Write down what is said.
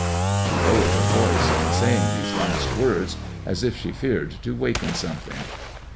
She lowered her Toice, in say ing these last words as if she feared to waken something.